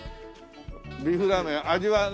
ビーフラーメン味は何？